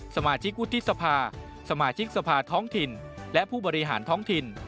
สมาชิกวุฒิสภาสมาชิกสภาท้องถิ่นและผู้บริหารท้องถิ่น